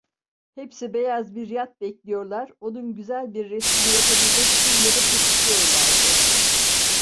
Hepsi beyaz bir yat bekliyorlar, onun güzel bir resmini yapabilmek için yanıp tutuşuyorlardı.